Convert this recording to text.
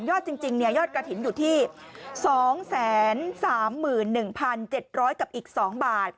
จริงยอดกระถิ่นอยู่ที่๒๓๑๗๐๐กับอีก๒บาท